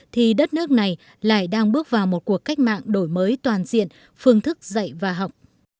thì đất nước này lại đang bước vào một cuộc cách mạng đổi mới toàn diện phương thức dạy và học